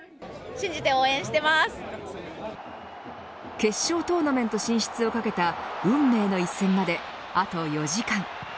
決勝トーナメント進出をかけた運命の一戦まであと４時間。